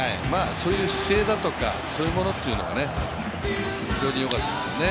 そういう姿勢だとか、そういうものは非常によかったですよね。